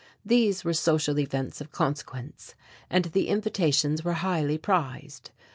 These were social events of consequence and the invitations were highly prized.